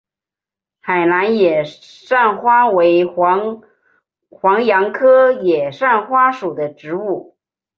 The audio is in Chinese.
海南野扇花为黄杨科野扇花属的植物。